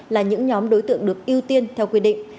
là những nhóm đối tượng được ưu tiên theo quy định